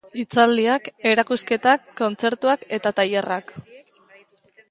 Hitzaldiak, erakusketak, kontzertuak eta tailerrak.